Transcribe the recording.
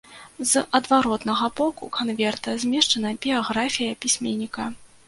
З адваротнага боку канверта змешчана біяграфія пісьменніка.